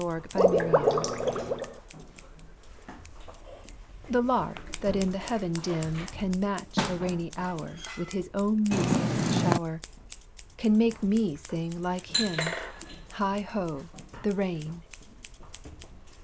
HEIGH HO, THE RAIN The Lark that in heaven dim Can match a rainy hour With his own music's shower, Can make me sing like him Heigh ho! The rain!